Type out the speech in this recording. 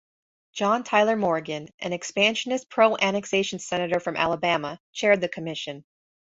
John Tyler Morgan, an expansionist pro-annexation Senator from Alabama, chaired the commission.